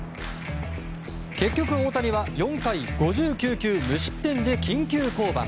結局、大谷は４回５９球無失点で緊急降板。